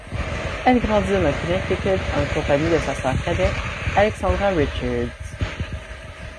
Elle grandit dans le Connecticut en compagnie de sa sœur cadette, Alexandra Richards.